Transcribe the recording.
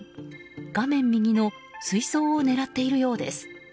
画面右の水槽を狙っているようです。